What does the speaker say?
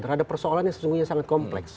terhadap persoalan yang sesungguhnya sangat kompleks